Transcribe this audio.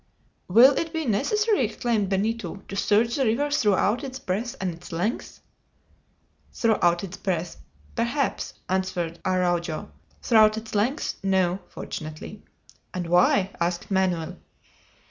"Will it be necessary," exclaimed Benito, "to search the river throughout its breadth and its length?" "Throughout its breadth, perhaps," answered Araujo, "throughout its length, no fortunately." "And why?" asked Manoel.